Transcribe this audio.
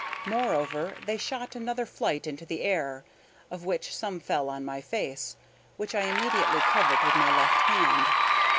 Moreover, they shot another flight into the air, of which some fell on my face, which I immediately covered with my left hand.